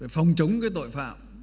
phòng chống cái tội phạm